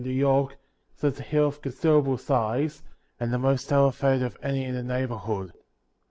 New York, stands a hill of consid erable size, and the most elevated of any in the neighborhood.